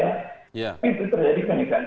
tapi terjadi penyiksaan